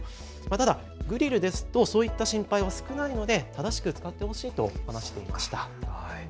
ただグリルですとそういった心配は少ないので正しく使ってほしいと話していました。